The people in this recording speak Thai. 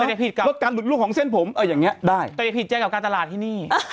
ลดการหลุดลูกของเส้นผมอย่างนี้ได้แต่อย่าผิดใจกับการตลาดที่นี่